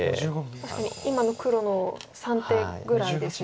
確かに今の黒の３手ぐらいですね。